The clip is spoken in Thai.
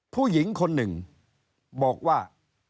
ผู้หญิงคนหนึ่งบอกว่า